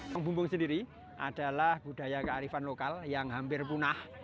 kampung bumbung sendiri adalah budaya kearifan lokal yang hampir punah